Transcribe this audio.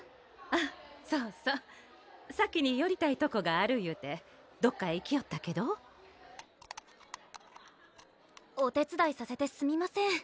あっそうそう先によりたいとこがあるいうてどっかへ行きよったけどお手つだいさせてすみません！